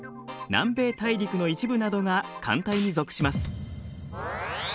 南米大陸の一部などが寒帯に属します。